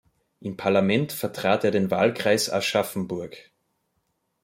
Im Parlament vertrat er den Wahlkreis Aschaffenburg.